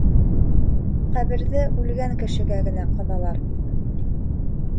Ҡәберҙе үлгән кешегә генә ҡаҙалар.